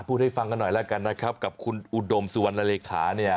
ให้ฟังกันหน่อยแล้วกันนะครับกับคุณอุดมสุวรรณเลขาเนี่ย